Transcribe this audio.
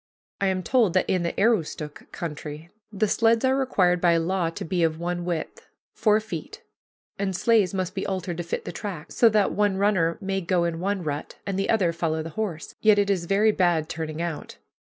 I am told that in the Aroostook country the sleds are required by law to be of one width, four feet, and sleighs must be altered to fit the track, so that one runner may go in one rut and the other follow the horse. Yet it is very bad turning out.